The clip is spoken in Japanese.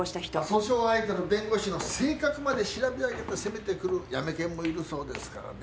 訴訟相手の弁護士の性格まで調べ上げて攻めてくるヤメ検もいるそうですからね。